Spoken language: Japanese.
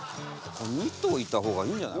２頭いた方がいいんじゃない？